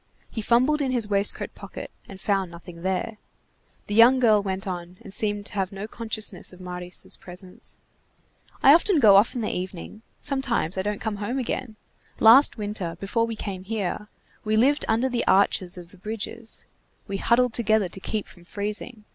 He fumbled in his waistcoat pocket, and found nothing there. The young girl went on, and seemed to have no consciousness of Marius' presence. "I often go off in the evening. Sometimes I don't come home again. Last winter, before we came here, we lived under the arches of the bridges. We huddled together to keep from freezing.